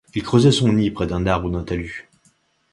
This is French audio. Il creusait son nid près d’un arbre ou d’un talus.